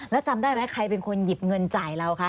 แล้วจำได้ไหมใครเป็นคนหยิบเงินจ่ายเราคะ